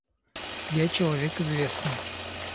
Я человек известный.